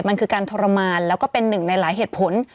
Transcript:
มันคือการทรมานแล้วก็เป็นหนึ่งในหลายเหตุผล